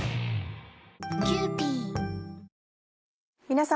皆様。